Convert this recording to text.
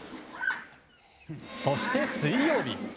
そして、水曜日。